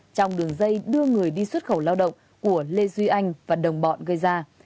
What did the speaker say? trong đường dây đưa người đi xuất khẩu lao động của lê duy anh và đồng bọn gây ra